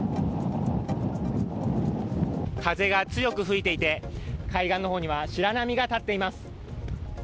風が強く吹いていて海岸の方には白波が立っています。